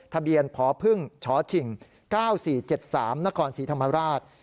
ทะเบียนพพึ่งชฉิ่ง๙๔๗๓นศรีธรรมราช